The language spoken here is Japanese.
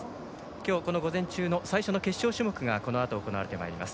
今日この午前中の最初の決勝種目がこのあと行われます。